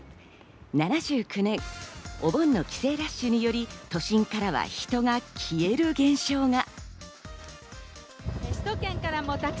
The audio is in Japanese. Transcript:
７９年、お盆の帰省ラッシュにより、都心からは人が消える現象が。